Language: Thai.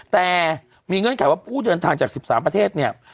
แต่มีเงื่อนไขว่าผู้เดินทางจาก๑๓ประเทศเนี่ย